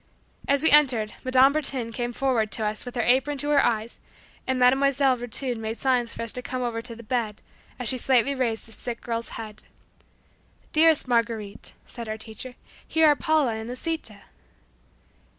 As we entered, Madame Bertin came toward us with her apron to her eyes and Mile. Virtud made signs for us to come over to the bed, as she slightly raised the sick girl's head. "Dearest Marguerite," said our teacher; "Here are Paula and Lisita."